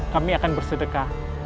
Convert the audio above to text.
kami akan bersedekah